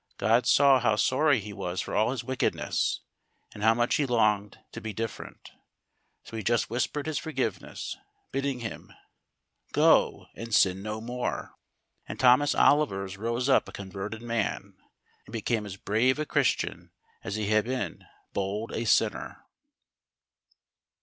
God saw how sorry he was for all his wickedness, and how much he longed to be different, so He just whispered His forgiveness, bidding him, "Go and sin no more," and Thomas Olivers rose up a converted man, and became as brave a Christian as he had been bold a sinner.